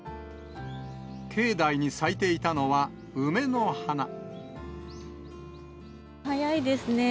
境内に咲いていたのは、早いですね。